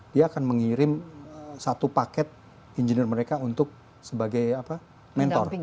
dia akan mengirim satu paket engineer mereka untuk sebagai mentor